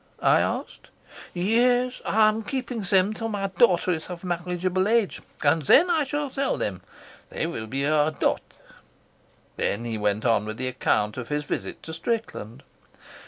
I asked. "Yes; I am keeping them till my daughter is of marriageable age, and then I shall sell them. They will be her ." Then he went on with the account of his visit to Strickland.